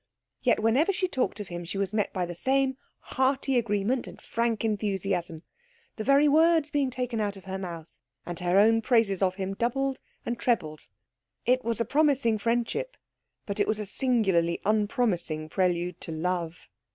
Yet whenever she talked of him she was met by the same hearty agreement and frank enthusiasm, the very words being taken out of her mouth and her own praises of him doubled and trebled. It was a promising friendship, but it was a singularly unpromising prelude to love.